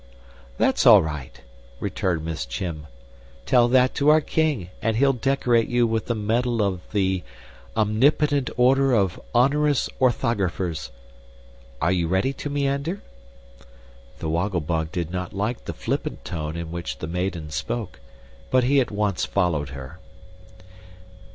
"That's all right," returned Miss Chim. "Tell that to our king, and he'll decorate you with the medal of the Omnipotent Order of Onerous Orthographers, Are you ready to meander?" The Woggle Bug did not like the flippant tone in which maiden spoke; but he at once followed her.